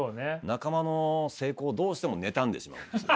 仲間の成功をどうしても妬んでしまうんですよ。